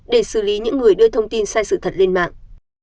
để xử lý những người đưa thông tin sai sự thật lên mạng